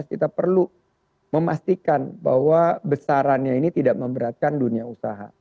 kita perlu memastikan bahwa besarannya ini tidak memberatkan dunia usaha